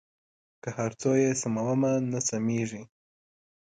که هر څو یې سمومه نه سمېږي.